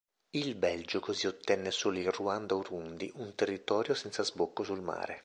Il Belgio così ottenne solo il Ruanda-Urundi, un territorio senza sbocco sul mare.